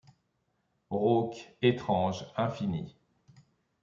Rauques, étranges, infinies